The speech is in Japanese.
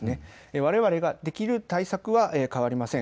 われわれができる対策は変わりません。